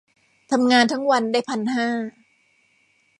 ทำงานทั้งวันได้พันห้า